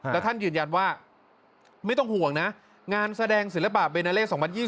แล้วท่านยืนยันว่าไม่ต้องห่วงนะงานแสดงศิลปะเบนาเล่๒๐๒๐